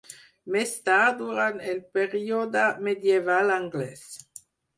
Més tard, durant el període medieval anglès.